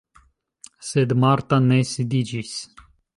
Sed Marta ne sidiĝis.